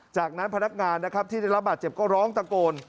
จากนั้นพนักงานนะครับที่ได้รับบาดเจ็บก็ร้องตะโกน